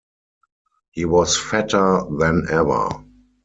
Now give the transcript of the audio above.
He was fatter than ever.